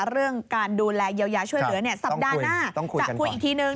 เรื่องการดูแลเยียวยาช่วยเหลือสัปดาห์หน้าจะคุยอีกทีนึง